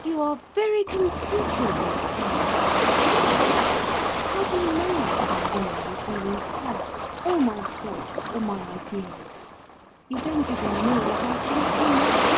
"You are very conceited, Monsieur," she mocked. "How do you know what my womanly feelings are, or my thoughts or my ideas? You don't even know what I think of you now."